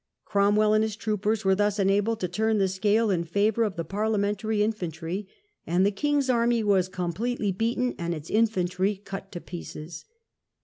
Cromwell and his troopers were thus enabled to turn the scale in favour of the Parliamentary infantry, and the king's army was completely beaten and its infantry cut to pieces.